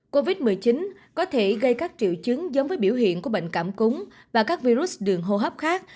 covid một mươi chín có thể gây các triệu chứng giống với biểu hiện của bệnh cảm cúng và các virus đường hô hấp khác